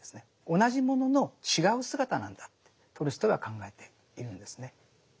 同じものの違う姿なんだとトルストイは考えているんですね。